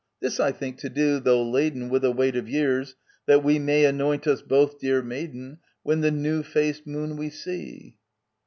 This I think to do, though laden With a weight of years, that we May anoint us both, dear maiden, When the new faced moon we see.